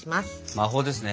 魔法ですね。